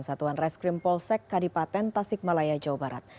satuan reskrim polsek kadipaten tasik malaya jawa barat